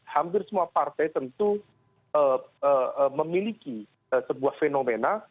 hampir semua partai tentu memiliki sebuah fenomena